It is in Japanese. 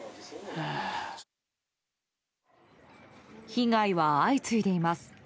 被害は相次いでいます。